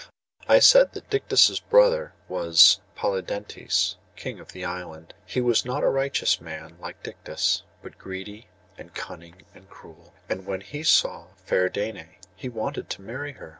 I said that Dictys' brother was Polydectes, king of the island. He was not a righteous man, like Dictys; but greedy, and cunning, and cruel. And when he saw fair Danae, he wanted to marry her.